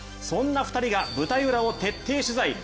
そんな２人が舞台裏を徹底取材。